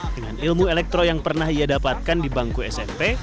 dengan ilmu elektro yang pernah ia dapatkan di bangku smp